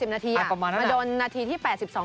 ๘๐นาทีอ่ะมาโดนนาทีที่๘๒๘๓